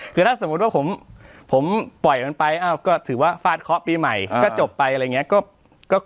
คือถ้าสมมุติว่าผมปล่อยมันไปก็ถือว่าฟาดเคาะปีใหม่ก็จบไปอะไรอย่างนี้